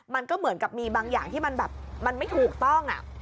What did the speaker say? มันก็เหมือนกับมีบางอย่างที่มันแบบมันไม่ถูกต้อง